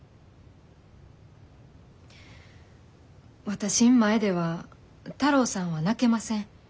私ん前では太郎さんは泣けません。